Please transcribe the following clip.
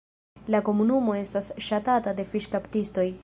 La komunumo estas ŝatata de fiŝkaptistoj.